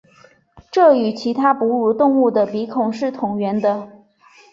这与其他哺乳动物的鼻孔是同源的。